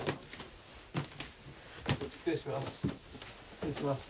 失礼します。